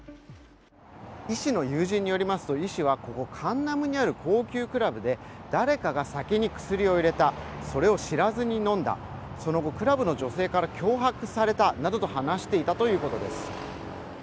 イ氏の友人によりますと、イ氏はカンナムにある高級クラブで誰かが酒に薬を入れた、それを知らずに飲んだ、その後、クラブの女性から脅迫されたなどと話していたということです。